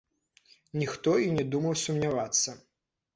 Ніхто і не думаў сумнявацца.